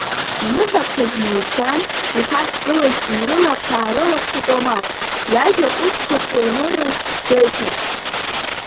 Иныҳәаԥхьыӡ наигӡан, ихаҵгылаз дынрылаԥш-аарылаԥшит Омар, иажәа ҟәышқәа шырнырыз гәеиҭарц.